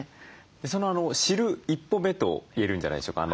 その知る一歩目と言えるんじゃないでしょうか。